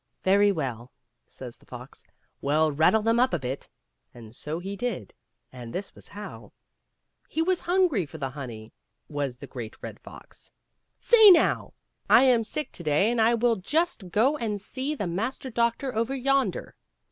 " Very well," says the fox, " we'll rattle them up a bit ;" and so he did, and this was how. He was hungry for the honey, was the Great Red Fox. " See, now," said he, " I am sick to day, and I will just go and see the Master Doctor over yonder."